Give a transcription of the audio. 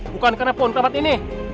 bukan karena pohon tempat ini